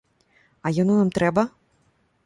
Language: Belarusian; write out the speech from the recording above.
А яно нам трэба?